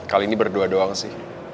kali ini berdua doang sih